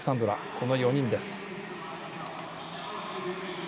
この４人です。